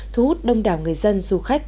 thu hút đông đảo người dân du khách